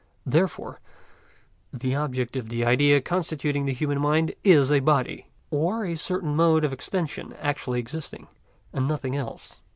Therefore the object of the idea constituting the human mind is a body, or a certain mode of extension actually existing, and nothing else.